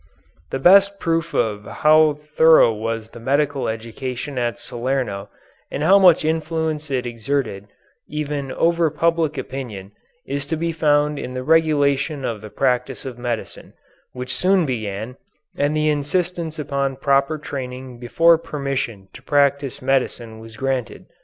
The best proof of how thorough was the medical education at Salerno and how much influence it exerted even over public opinion is to be found in the regulation of the practice of medicine, which soon began, and the insistence upon proper training before permission to practise medicine was granted.